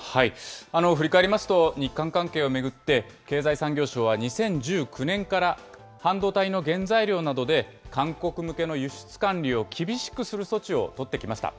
振り返りますと、日韓関係を巡って、経済産業省は２０１９年から、半導体の原材料などで、韓国向けの輸出管理を厳しくする措置を取ってきました。